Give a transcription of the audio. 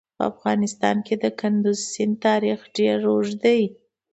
په افغانستان کې د کندز سیند تاریخ ډېر اوږد دی.